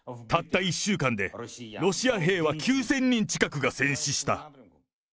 たった１週間で、ロシア兵は９０００人近くが戦死した。